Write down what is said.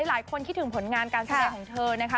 หลายคนคิดถึงผลงานการแสดงของเธอนะคะ